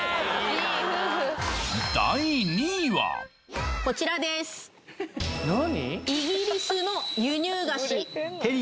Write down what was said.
いい夫婦第２位はこちらです何？